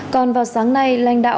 còn vào sáng nay